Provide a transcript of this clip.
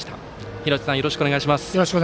廣瀬さん、よろしくお願いします。